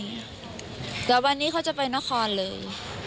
เดี๋ยววันนี้เขาจะไปนครเลย